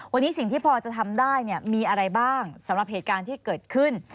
วันนี้สิ่งที่พอจะทำได้มีอะไรบ้างสำหรับเหตุการณ์ที่เกิดขึ้น